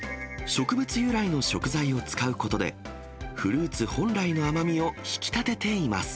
植物由来の食材を使うことで、フルーツ本来の甘みを引き立てています。